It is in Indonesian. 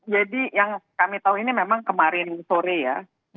jadi yang kami tahu ini memang kemarin sore ya